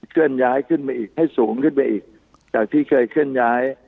เคลื่อนย้ายขึ้นมาอีกให้สูงขึ้นไปอีกจากที่เคยเคลื่อนย้าย